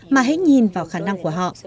mà hãy nhìn vào khả năng của họ